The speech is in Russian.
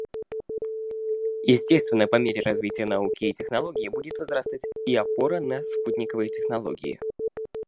Естественно, по мере развития науки и технологии будет возрастать и опора на спутниковые технологии.